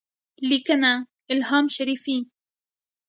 لیکنه: الهام شریفی